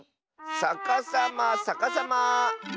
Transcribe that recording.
さかさまさかさま。